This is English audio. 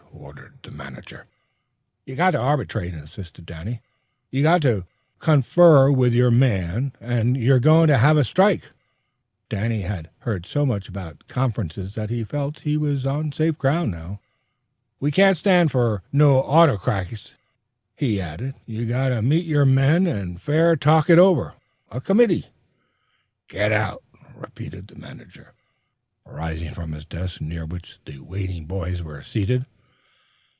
ordered the manager. "You got to arbitrate," insisted Danny. "You got to confer with your men or you're goin' to have a strike!" Danny had heard so much about conferences that he felt he was on safe ground now. "We can't stand fer no autycrats!" he added. "You got to meet your men fair an' talk it over. A committee " "Get out!" repeated the manager, rising from his desk, near which the waiting boys were seated.